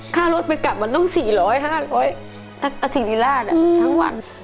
ค่ารถไปกลับมันต้องสี่ร้อยห้าร้อยอาศิริราชอ่ะทั้งวัน